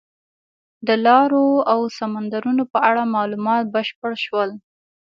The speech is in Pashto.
د لارو او سمندرونو په اړه معلومات بشپړ شول.